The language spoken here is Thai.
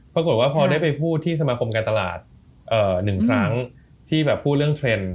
ปรากฏว่าพอได้ไปพูดที่สมาคมการตลาด๑ครั้งที่แบบพูดเรื่องเทรนด์